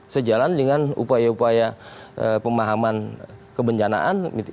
sejalan dengan upaya upaya pemahaman kebencanaan